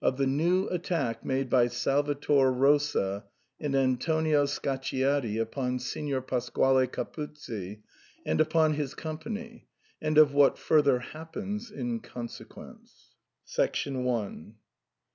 0/ the new attack made by Salvator Rosa and Antonio Scacciati upon Signer Pasquale Capuzzi and upon his company^ and of what further happens in consequence.